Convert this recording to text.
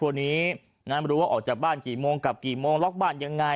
แล้วพ่อคุณพ่อนี้มารู้ว่าออกจากบ้านกี่โมงกลับกี่โมงล็อกบ้านยังไง